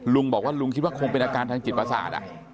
ลุงบอกว่าลุงคิดว่าคงเป็นอาการทางจิตประสาท